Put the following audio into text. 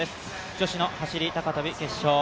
女子の走高跳決勝。